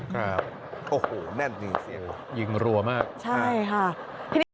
ครับโอ้โหแน่นดีสิยิงรัวมากใช่ค่ะทีนี้